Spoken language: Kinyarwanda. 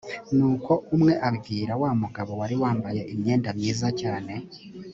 nuko umwe abwira wa mugabo wari wambaye imyenda myiza cyane